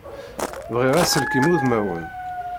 Bɣiɣ aselkim udmawan.